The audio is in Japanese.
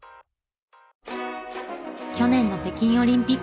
去年の北京オリンピック。